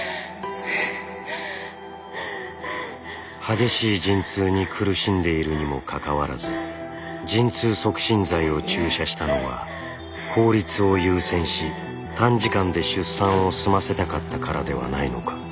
激しい陣痛に苦しんでいるにもかかわらず陣痛促進剤を注射したのは効率を優先し短時間で出産を済ませたかったからではないのか。